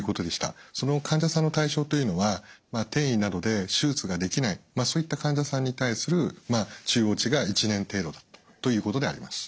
その患者さんの対象というのは転移などで手術ができないそういった患者さんに対する中央値が１年程度だということであります。